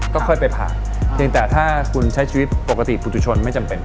ก็ค่อยไปผ่านเพียงแต่ถ้าคุณใช้ชีวิตปกติปุตุชนไม่จำเป็น